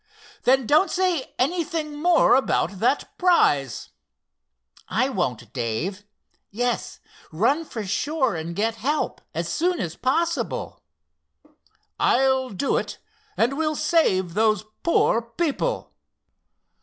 "Then don't say anything more about that prize." "I won't, Dave. Yes, run for shore, and get help as soon as possible." "I'll do it—and we'll save those poor people.